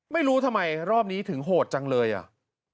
ไม่รู้ทำไมรอบนี้ถึงโหดจังเลยอ่ะ